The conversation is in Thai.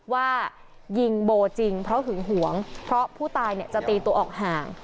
ว่ายิงโบจริงเพราะหึงหวงเพราะผู้ตายจะตีตัวออกห่าง